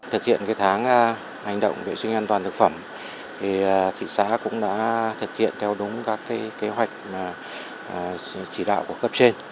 hành động vệ sinh an toàn thực phẩm thì thị xã cũng đã thực hiện theo đúng các kế hoạch chỉ đạo của cấp trên